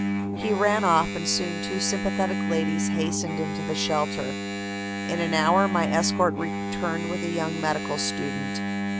He ran off and soon two sympathetic ladies hastened into the shelter. In an hour my escort returned with a young medical student.